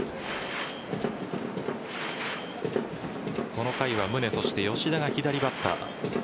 この回は宗、そして吉田が左バッター。